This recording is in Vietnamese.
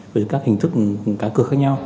với các hình thức cá cược khác nhau